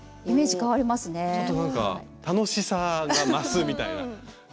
ちょっとなんか楽しさが増すみたいな感じで。